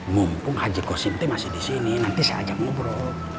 mumpung haji gosinte masih disini nanti saya ajak ngobrol